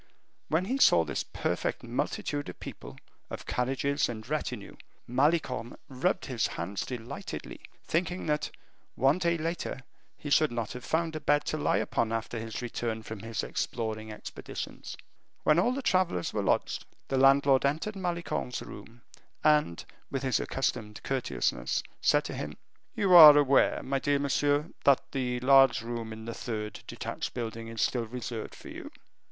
When he saw this perfect multitude of people, of carriages, and retinue, Malicorne rubbed his hands delightedly, thinking that, one day later, he should not have found a bed to lie upon after his return from his exploring expeditions. When all the travelers were lodged, the landlord entered Malicorne's room, and with his accustomed courteousness, said to him, "You are aware, my dear monsieur, that the large room in the third detached building is still reserved for you?"